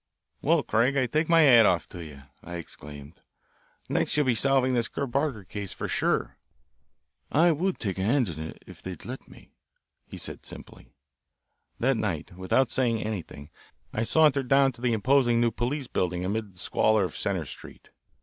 "Well, Craig, I take off my hat to you," I exclaimed. "Next you'll be solving this Kerr Parker case for sure." "I would take a hand in it if they'd let me," said he simply. That night, without saying anything, I sauntered down to the imposing new police building amid the squalor of Center Street.